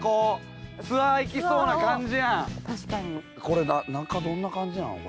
これ中どんな感じなん？